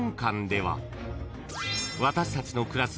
［私たちの暮らす］